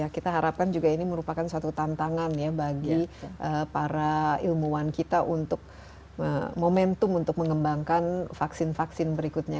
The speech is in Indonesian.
kita harapkan juga ini merupakan suatu tantangan ya bagi para ilmuwan kita untuk momentum untuk mengembangkan vaksin vaksin berikutnya